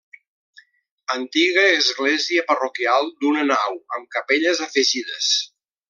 Antiga església parroquial d'una nau amb capelles afegides.